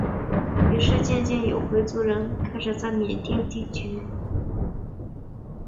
于是渐渐有回族人开始在缅甸定居。